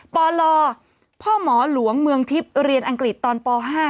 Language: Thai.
ปลพ่อหมอหลวงเมืองทิพย์เรียนอังกฤษตอนป๕